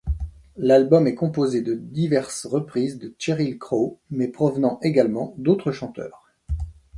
L’album est composé de diverses reprises de Sheryl Crow mais provenant également d’autres chanteurs.